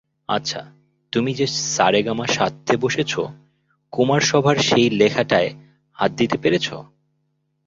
আচ্ছা, তুমি যে সারেগামা সাধতে বসেছ, কুমারসভার সেই লেখাটায় হাত দিতে পেরেছ?